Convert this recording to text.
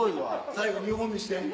最後見本見して。